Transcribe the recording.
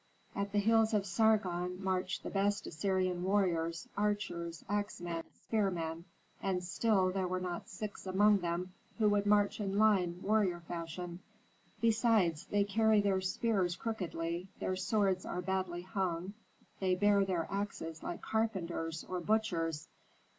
At the heels of Sargon marched the best Assyrian warriors, archers, axemen, spearmen, and still there were not six among them who could march in line warrior fashion. Besides they carry their spears crookedly, their swords are badly hung, they bear their axes like carpenters or butchers.